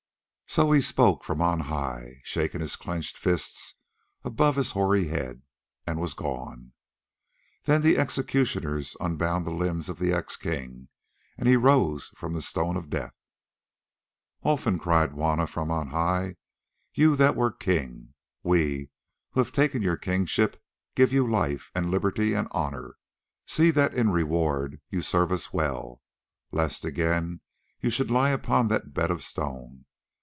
So he spoke from on high, shaking his clenched fists above his hoary head, and was gone. Then the executioners unbound the limbs of the ex king, and he rose from the stone of death. "Olfan," cried Juanna from on high, "you that were the king, we, who have taken your kingship, give you life, and liberty, and honour; see that in reward you serve us well, lest again you should lie upon that bed of stone.